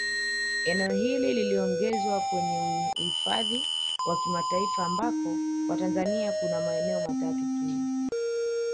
Eneo hilo liliongezwa kwenye uhidhafi wa kimataifa ambako kwa Tanzania kuna maeneo matatu tu